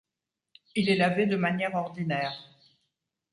Il est lavé de manière ordinaire.